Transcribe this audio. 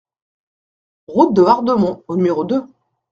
Route de Hardemont au numéro deux